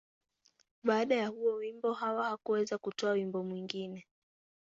Baada ya huo wimbo, Hawa hakuweza kutoa wimbo mwingine.